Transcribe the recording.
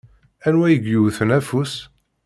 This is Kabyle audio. Anwa i yewwten afus?